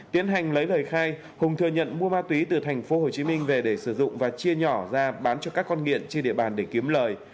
tiến hành lấy lời khai hùng thừa nhận mua ma túy từ thành phố hồ chí minh về để sử dụng và chia nhỏ ra bán cho các con nghiện trên địa bàn để kiếm lời